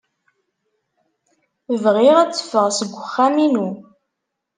Bɣiɣ ad teffɣed seg uxxam-inu.